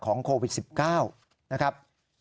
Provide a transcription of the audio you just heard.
โควิด๑๙นะครับ